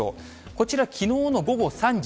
こちら、きのうの午後３時。